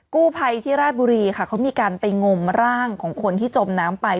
กู้ภัยที่ราชบุรีค่ะเขามีการไปงมร่างของคนที่จมน้ำไป